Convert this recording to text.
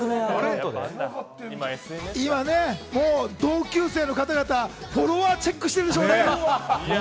もう同級生の方々、フォロワーをチェックしているでしょうね。